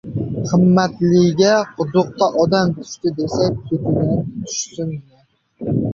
— Himmatliga, quduqqa odam tushdi, desa, ketidan tushsinmi?